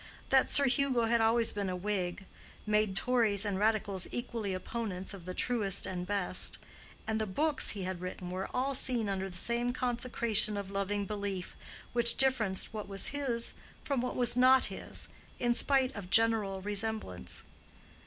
That Sir Hugo had always been a Whig, made Tories and Radicals equally opponents of the truest and best; and the books he had written were all seen under the same consecration of loving belief which differenced what was his from what was not his, in spite of general resemblance.